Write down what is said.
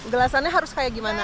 gelasannya harus kayak gimana